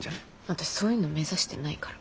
私そういうの目指してないから。